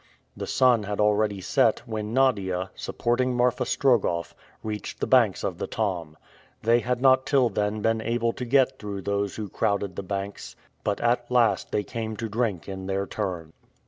The sun had already set, when Nadia, supporting Marfa Strogoff, reached the banks of the Tom. They had not till then been able to get through those who crowded the banks, but at last they came to drink in their turn.